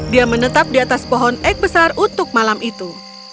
dia menetap di atas pohon ek besar untuk malam itu